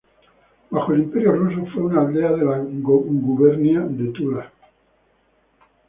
Bajo el Imperio ruso, fue una aldea de la gubernia de Tula.